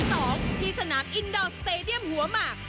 ยังอยู่กันที่สนามอินดอลสเตดียมหัวมาก